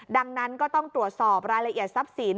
ดังนั้นก็ต้องตรวจสอบรายละเอียดทรัพย์สิน